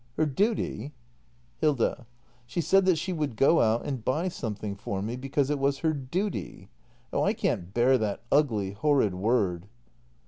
Her duty ? Hilda. She said that she would go out and buy something for me, because it was her duty. Oh I can't bear that ugly, horrid word!